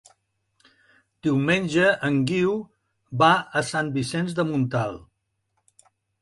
Diumenge en Guiu va a Sant Vicenç de Montalt.